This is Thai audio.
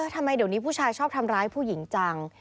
ทำไมเดี๋ยวนี้ผู้ชายชอบทำร้ายผู้หญิงจัง